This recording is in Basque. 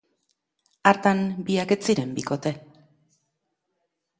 Hartan biak ez ziren bikote.